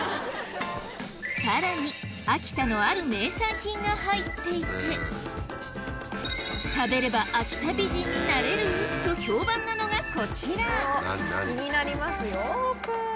さらに秋田のある名産品が入っていて食べれば秋田美人になれる⁉と評判なのがこちらオープン。